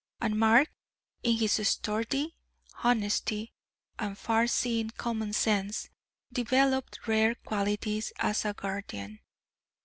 And Mark, in his sturdy honesty, and far seeing common sense, developed rare qualities as a guardian.